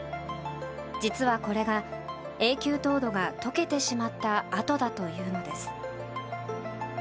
実はこれが、永久凍土が解けてしまった跡だというのです。